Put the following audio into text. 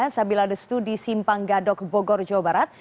sabila destu di simpang gadok bogor jawa barat